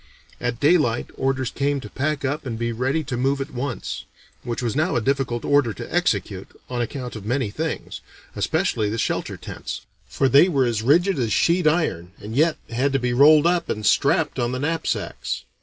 At daylight orders came to pack up and be ready to move at once; which was now a difficult order to execute, on account of many things, especially the shelter tents; for they were as rigid as sheet iron and yet had to be rolled up and strapped on the knapsacks.